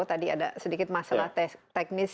tadi ada sedikit masalah teknis